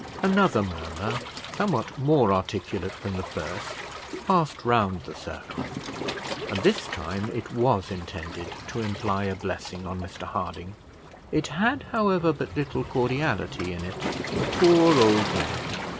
Another murmur, somewhat more articulate than the first, passed round the circle, and this time it was intended to imply a blessing on Mr Harding. It had, however, but little cordiality in it. Poor old men!